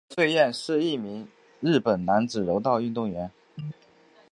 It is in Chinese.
古贺稔彦是一名日本男子柔道运动员。